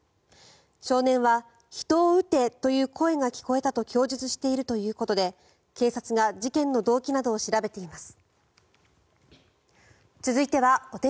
少年は人を撃てという声が聞こえたと供述しているということで警察が事件の動機などを調べています。